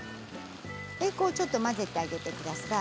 ちょっと混ぜてあげてください。